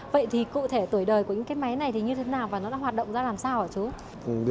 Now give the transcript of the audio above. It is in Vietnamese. vậy thì cụ thể tuổi đời của những máy này như thế nào và nó đã hoạt động ra làm sao hả chú